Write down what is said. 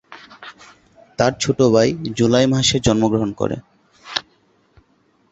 তার ছোট ভাই জুলাই মাসে জন্মগ্রহণ করে।